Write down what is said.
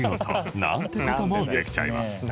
なんて事もできちゃいます